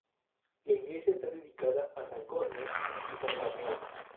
La iglesia está dedicada a san Cosme y san Damián.